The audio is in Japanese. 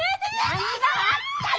何があったの！